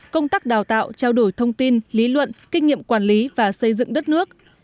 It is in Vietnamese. công tác đào tạo trao đổi thông tin lý luận kinh nghiệm quản lý và xây dựng đất nước